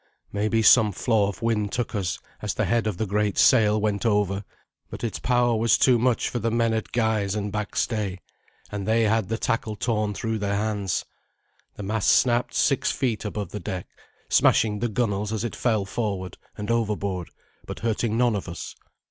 Maybe some flaw of wind took us as the head of the great sail went over, but its power was too much for the men at guys and back stay, and they had the tackle torn through their hands. The mast snapped six feet above the deck, smashing the gunwales as it fell forward and overboard, but hurting none of us.